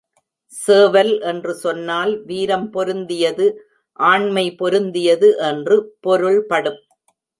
சேவல் என்று சொன்னால் வீரம் பொருந்தியது, ஆண்மை பொருந்தியது என்று பொருள்படும்.